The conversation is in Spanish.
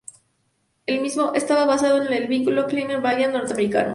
El mismo, estaba basado en el vehículo Plymouth Valiant norteamericano.